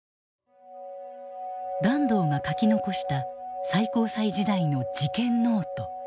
團藤が書き残した最高裁時代の事件ノート。